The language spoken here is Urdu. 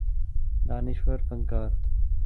دانشور فنکار